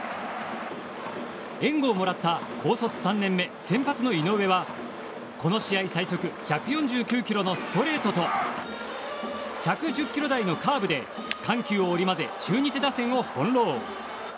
援護をもらった高卒３年目先発の井上はこの試合最速、１４９キロのストレートと１１０キロ台のカーブで緩急を織り交ぜ中日打線を翻弄。